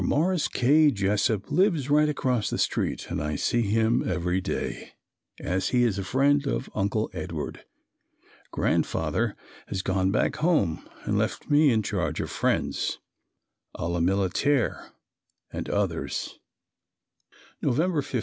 Morris K. Jesup lives right across the street and I see him every day, as he is a friend of Uncle Edward. Grandfather has gone back home and left me in charge of friends "a la militaire" and others. November 15.